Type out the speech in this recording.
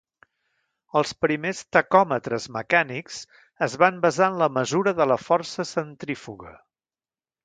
Els primers tacòmetres mecànics es van basar en la mesura de la força centrífuga.